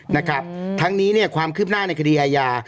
นะครับทั้งนี้เนี่ยความคืบหน้าในคดีอาญา